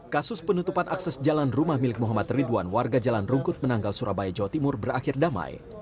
kasus penutupan akses jalan rumah milik muhammad ridwan warga jalan rungkut menanggal surabaya jawa timur berakhir damai